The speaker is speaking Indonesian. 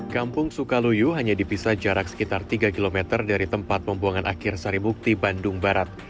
kampung sukaluyu hanya dipisah jarak sekitar tiga km dari tempat pembuangan akhir saribukti bandung barat